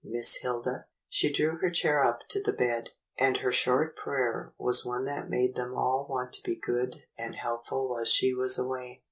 Miss Hilda?" She drew her chair up to the bed, and her short prayer was one that made them all want to be good and helpful while she was away.